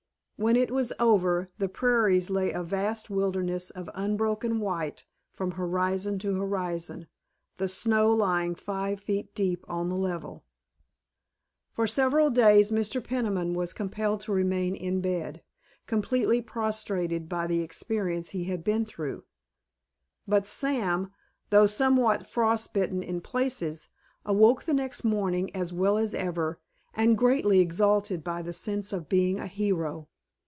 When it was over the prairies lay a vast wilderness of unbroken white from horizon to horizon, the snow lying five feet deep on the level. For several days Mr. Peniman was compelled to remain in bed, completely prostrated by the experience he had been through. But Sam, though somewhat frost bitten in places, awoke the next morning as well as ever, and greatly exalted by the sense of being a hero.